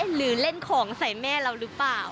หรือเล่นของใส่แม่เราหรือเปล่า